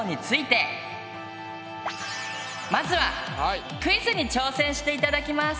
まずはクイズに挑戦して頂きます！